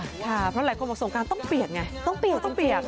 เพราะหลายคนบอกสงการต้องเปียกไงต้องเปียกต้องเปียก